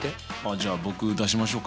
じゃあ僕出しましょうか？